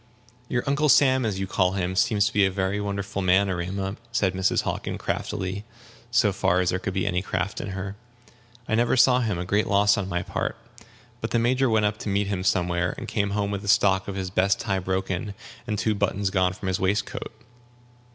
"Your Uncle Sam, as you call him, seems to be a very wonderful man, Erema," said Mrs. Hockin, craftily, so far as there could be any craft in her; "I never saw him a great loss on my part. But the Major went up to meet him somewhere, and came home with the stock of his best tie broken, and two buttons gone from his waistcoat.